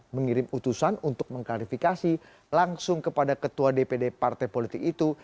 mengirim utusan untuk mengklarifikasi langsung kepada ketua dpd partai politik itu